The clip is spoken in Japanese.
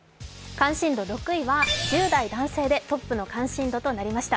関心度６位は１０代男性でトップとなりました。